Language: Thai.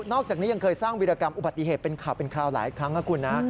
อกจากนี้ยังเคยสร้างวิรากรรมอุบัติเหตุเป็นข่าวเป็นคราวหลายครั้งนะคุณนะ